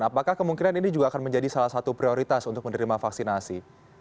apakah kemungkinan ini juga akan menjadi salah satu prioritas untuk menerima vaksinasi